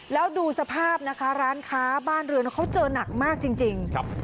แล้วดูสภาพนะคะร้านค้าบ้านเรือนเขาเจอหนักมากจริง